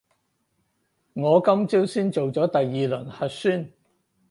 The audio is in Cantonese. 我今朝先做咗第二輪核酸